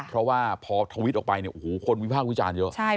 เพราะว่าพอทวิตออกไปเนี่ยโอ้โหคนวิพากษ์วิจารณ์เยอะ